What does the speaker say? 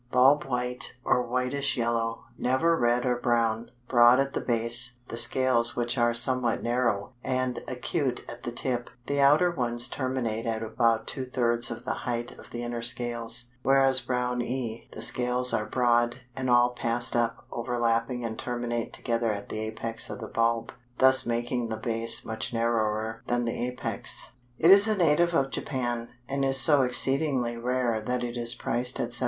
Bulb white, or whitish yellow, never red or brown, broad at the base, the scales which are somewhat narrow and acute at the tip, the outer ones terminate at about two thirds of the height of the inner scales, whereas in Brownii the scales are broad, and all pass up, overlapping, and terminate together at the apex of the bulb, thus making the base much narrower than the apex." It is a native of Japan, and is so exceedingly rare that it is priced at $7.